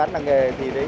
anh cũng không rõ đâu